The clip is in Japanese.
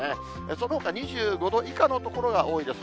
そのほか２５度以下の所が多いです。